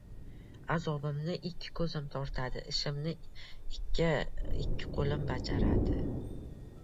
• Azobimni ikki ko‘zim tortadi, ishimni ikki qo‘lim bajaradi.